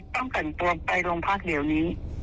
ต้องกันตัวไปลงภาคเดี๋ยวนี้